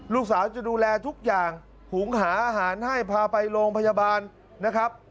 ลูกสาวจะดูแลทุกอย่างหุงหาอาหารให้พาไปโรงพยาบาลนะครับ